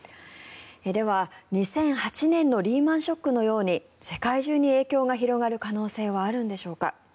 では、２００８年のリーマン・ショックのように世界中に影響が広がる可能性はあるんでしょうか。